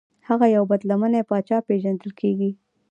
هغه یو بد لمنی پاچا پیژندل کیږي.